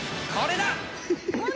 これだ！